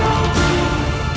walaupun semua adalah penting